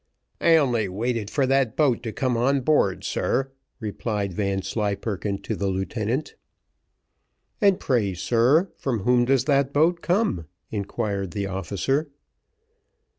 "I only waited for that boat to come on board, sir," replied Vanslyperken to the lieutenant. "And pray, sir, from whom does that boat come?" inquired the officer.